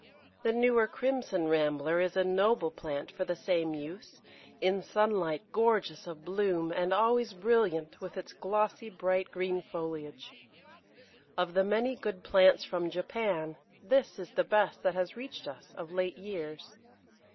The newer Crimson Rambler is a noble plant for the same use, in sunlight gorgeous of bloom, and always brilliant with its glossy bright green foliage. Of the many good plants from Japan, this is the best that has reached us of late years.